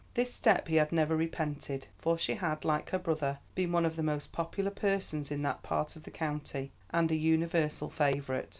This step he had never repented, for she had, like her brother, been one of the most popular persons in that part of the county, and a universal favourite.